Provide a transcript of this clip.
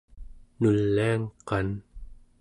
nuliangqan